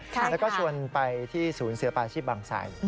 แล้วก็ชวนไปที่ศูนย์เสือปาชีพบางไส